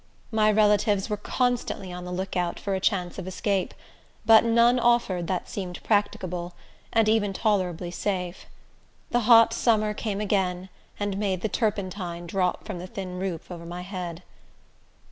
My relatives were constantly on the lookout for a chance of escape; but none offered that seemed practicable, and even tolerably safe. The hot summer came again, and made the turpentine drop from the thin roof over my head.